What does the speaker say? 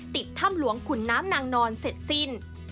ถ้ำหลวงขุนน้ำนางนอนเสร็จสิ้น